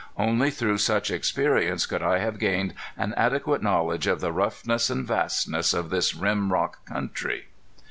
Only through such experience could I have gained an adequate knowledge of the roughness and vastness of this rim rock country.